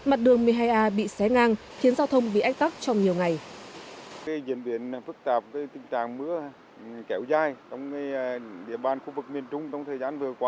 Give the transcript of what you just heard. một mươi hai a bị xé ngang khiến giao thông bị ách tắc trong nhiều ngày